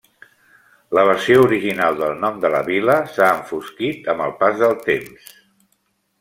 La versió original del nom de la vila s'ha enfosquit amb el pas dels temps.